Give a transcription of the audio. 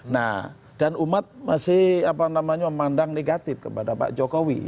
nah dan umat masih memandang negatif kepada pak jokowi